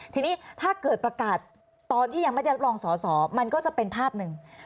ทีนี้ถ้าเกิดประกาศตอนที่ยังไม่ได้รับรองสอสอมันก็จะเป็นภาพหนึ่ง